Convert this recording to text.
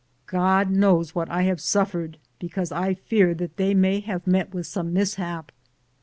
Ood knows what I have suffered, because I fear that they may have met with some mishap.